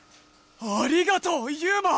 ありがとうユウマ！